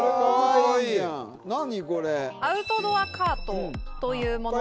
アウトドアカートというもの